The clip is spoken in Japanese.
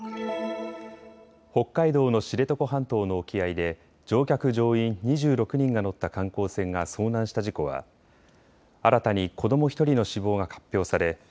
北海道の知床半島の沖合で乗客・乗員２６人が乗った観光船が遭難した事故は新たに子ども１人の死亡が発表され